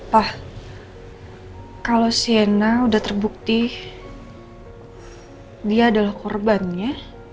pak kalau sienna udah terbukti dia adalah korbannya